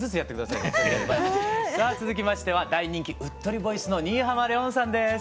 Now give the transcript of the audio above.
さあ続きましては大人気うっとりボイスの新浜レオンさんです。